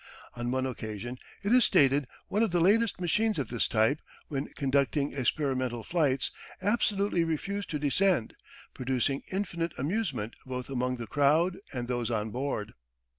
On one occasion, it is stated, one of the latest machines of this type, when conducting experimental flights, absolutely refused to descend, producing infinite amusement both among the crowd and those on board.